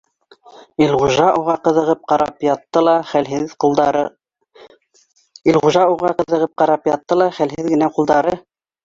Илғужа уға ҡыҙығып ҡарап ятты ла хәлһеҙ генә ҡулдары